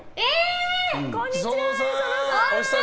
こんにちは！